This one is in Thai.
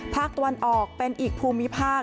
ภาคตะวันออกเป็นอีกภูมิภาค